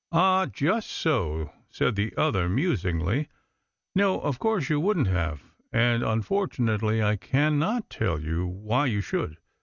"Ah, just so," said the other musingly; "no, of course you wouldn't have, and, unfortunately, I cannot tell you why you should.